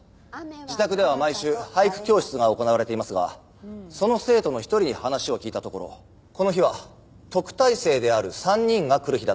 自宅では毎週俳句教室が行われていますがその生徒の一人に話を聞いたところこの日は特待生である３人が来る日だったそうです。